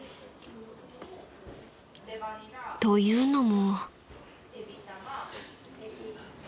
［というのも］